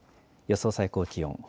予想最高気温。